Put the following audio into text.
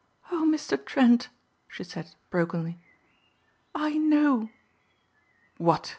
"Oh, Mr. Trent," she said brokenly, "I know." "What?"